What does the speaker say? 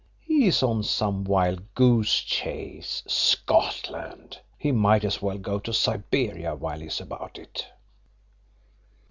He's on some wild goose chase. Scotland! He might as well go to Siberia while's he's about it."